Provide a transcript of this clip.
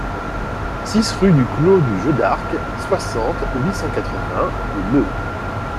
six rue du Clos du Jeu d'Arc, soixante, huit cent quatre-vingts, Le Meux